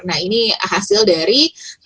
nah ini hasil dari